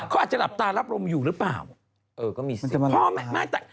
เขาอาจจะหลับตารับลมอยู่หรือเปล่า